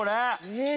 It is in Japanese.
えっ！？